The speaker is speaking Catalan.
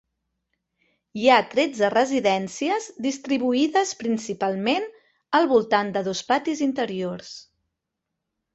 Hi ha tretze residències, distribuïdes principalment al voltant de dos patis interiors.